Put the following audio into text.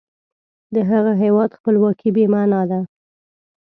د هغه هیواد خپلواکي بې معنا ده.